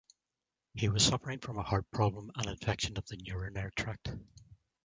He was suffering from a heart problem and infection of the urinary tract.